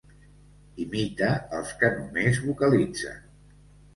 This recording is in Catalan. Imita els que només vocalitzen.